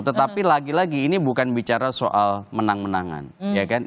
tetapi lagi lagi ini bukan bicara soal menang menangan ya kan